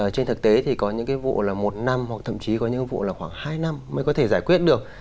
trên thực tế thì có những cái vụ là một năm hoặc thậm chí có những vụ là khoảng hai năm mới có thể giải quyết được